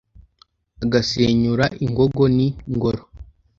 agasenyura ingogo ni ngoro